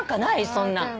そんなん。